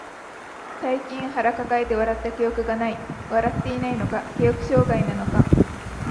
最近腹抱えて笑った記憶がない。笑っていないのか、記憶障害なのか。